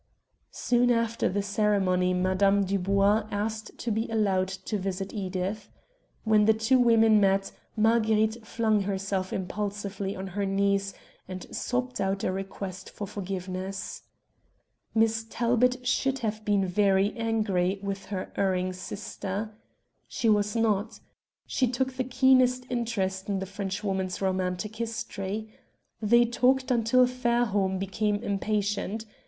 Soon after the ceremony Mme. Dubois asked to be allowed to visit Edith. When the two women met Marguerite flung herself impulsively on her knees and sobbed out a request for forgiveness. Miss Talbot should have been very angry with her erring sister. She was not. She took the keenest interest in the Frenchwoman's romantic history. They talked until Fairholme became impatient.